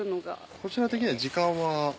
こちら的には時間は。